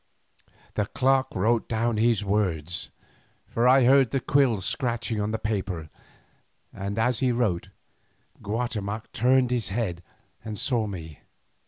The clerk wrote down his words, for I heard the quill scratching on the paper, and as he wrote, Guatemoc turned his head and saw me.